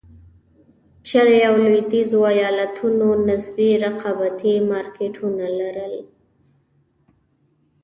شلي او لوېدیځو ایالتونو نسبي رقابتي مارکېټونه لرل.